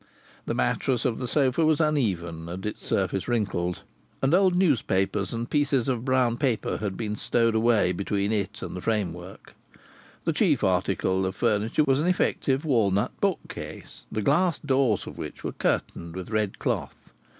The mattress of the sofa was uneven and its surface wrinkled, and old newspapers and pieces of brown paper had been stowed away between it and the framework. The chief article of furniture was an effective walnut bookcase, the glass doors of which were curtained with red cloth.